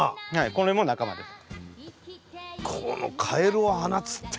これも仲間です。